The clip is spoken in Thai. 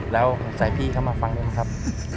แล้วใส่พี่เข้ามาฟังด้วยนะครับ